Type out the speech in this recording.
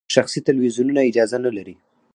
شخصي تلویزیونونه اجازه نلري.